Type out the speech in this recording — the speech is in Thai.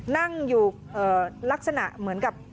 นั่งอยู่ลักษณะเหมือนกับ